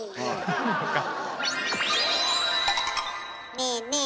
ねえねえ